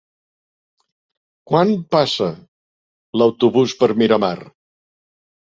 Quan passa l'autobús per Miramar?